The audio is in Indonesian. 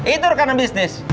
itu rekanan bisnis